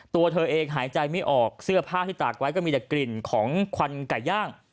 ตัวเธอเองหายใจไม่ออกเสื้อผ้าที่ตากไว้ก็มีแต่กลิ่นของควันไก่ย่าง